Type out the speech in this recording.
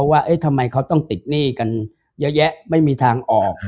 ว่าทำไมเขาต้องติดหนี้กันเยอะแยะไม่มีทางออก